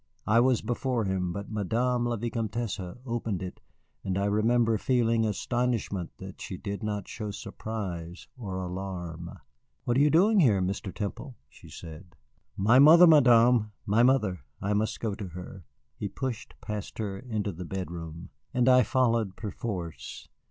I was before him, but Madame la Vicomtesse opened it. And I remember feeling astonishment that she did not show surprise or alarm. "What are you doing here, Mr. Temple?" she said. "My mother, Madame! My mother! I must go to her." He pushed past her into the bedroom, and I followed perforce.